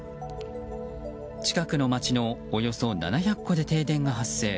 近くの町のおよそ７００戸で停電が発生。